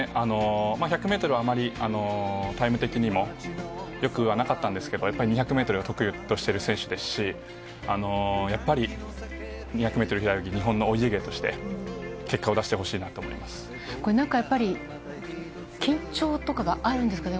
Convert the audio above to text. １００メートルはあまりタイム的にもよくはなかったんですけど、やっぱり２００メートルを得意としている選手ですし、やっぱり２００メートル平泳ぎ、日本のお家芸として、なんかやっぱり、緊張とかがあるんですかね？